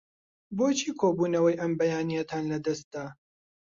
بۆچی کۆبوونەوەی ئەم بەیانییەتان لەدەست دا؟